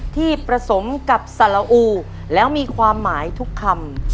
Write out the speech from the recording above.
ที่ประสงค์กับสละอูและมีความหมายทุกคำ